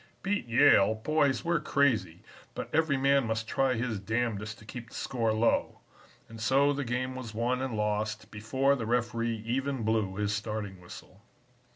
'Beat Yale! boys, we're crazy, but every man must try his damnedest to keep the score low,' and so the game was won and lost before the referee even blew his starting whistle.